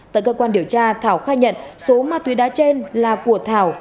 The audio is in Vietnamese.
tại cơ quan điều tra thảo khai nhận số ma túy đá trên là của thảo